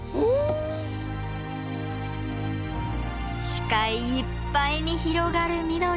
視界いっぱいに広がる緑。